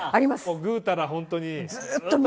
ぐうたら、本当に。